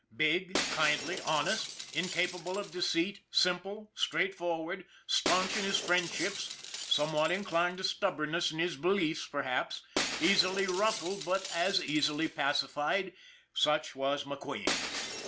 Big, kindly, honest, incapable of deceit, simple, straight forward, staunch in his friendships, somewhat inclined to stubborness in his beliefs per haps, easily ruffled but as easily pacified, such was McQueen.